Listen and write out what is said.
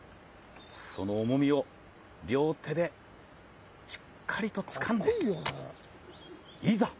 その重みを両手でしっかりとつかんで、いざ